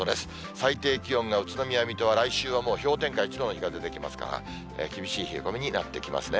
最低気温が、宇都宮、水戸は、来週はもう氷点下１度の日が出てきますから、厳しい冷え込みになってきますね。